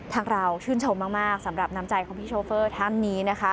เราชื่นชมมากสำหรับน้ำใจของพี่โชเฟอร์ท่านนี้นะคะ